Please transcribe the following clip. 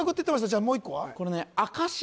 じゃあもう一個は？